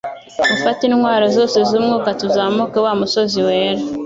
mufate intwaro zoze zumwuka tuzamuke wamusozi wera